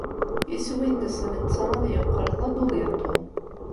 Iswi-nnes netta ad yeqqel d abugaṭu.